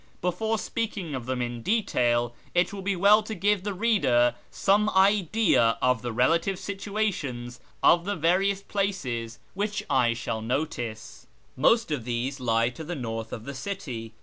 Before speaking of them in detail it will be well to give the reader some idea of the relative situations of the various places which I shall notice. Most of these lie to the north of the city.